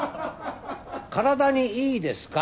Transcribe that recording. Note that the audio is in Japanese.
「体にいいですか？」